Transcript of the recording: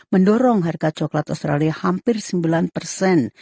mendorong harga coklat australia hampir sembilan persen